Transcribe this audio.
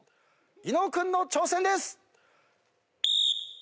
伊野尾君の挑戦です。